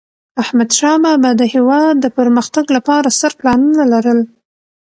احمدشاه بابا د هیواد د پرمختګ لپاره ستر پلانونه لرل.